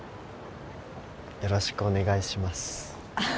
よろしくお願いします